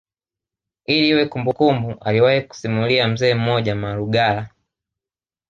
Ili iwe kumbukumbu aliwahi kusimulia mzee mmoja Malugala